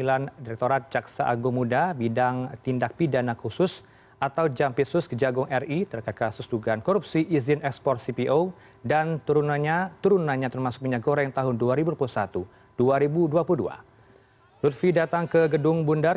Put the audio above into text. pada saat ini pdip telah mengajukan permohonan penyidikan yang saat ini sedang kpk lakukan